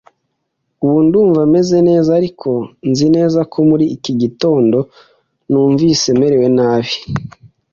Ubu ndumva meze neza, ariko nzi neza ko muri iki gitondo numvise merewe nabi.